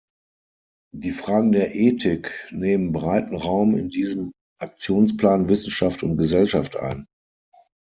Die Fragen der Ethik nehmen breiten Raum in diesem Aktionsplan Wissenschaft und Gesellschaft ein.